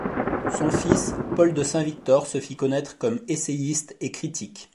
Son fils, Paul de Saint-Victor, se fit connaître comme essayiste et critique.